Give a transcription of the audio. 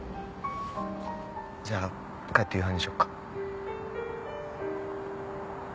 じゃあ帰って夕飯にしよっか。